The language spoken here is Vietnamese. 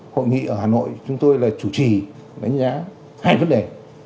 hội nghị ở hà nội chúng tôi là chủ trì đánh giá hai vấn đề